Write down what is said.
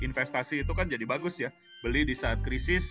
investasi itu kan jadi bagus ya beli di saat krisis